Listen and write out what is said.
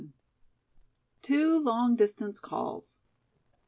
TWO LONG DISTANCE CALLS.